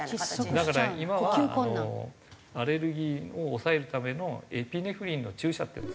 だから今はアレルギーを抑えるためのエピネフリンの注射っていうのがあるんですね。